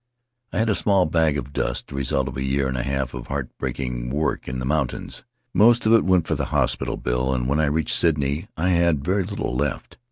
"I had a small bag of dust, the result of a year and a half of heart breaking work in the mountains. Most of it went for the hospital bill, and when I reached Sydney I had very little left.